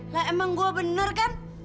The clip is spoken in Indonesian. lah emang gue bener kan